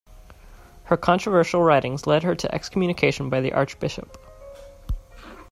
Her controversial writings led to her excommunication by the Archbishop.